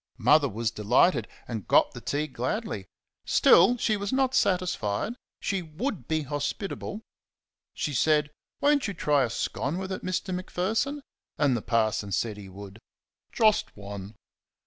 Mother was delighted, and got the tea gladly. Still she was not satisfied. She would be hospitable. She said: "Won't you try a scone with it, Mr. Macpherson?" And the parson said he would "just one."